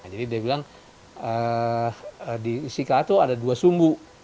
jadi dia bilang di istiqlal itu ada dua sumbu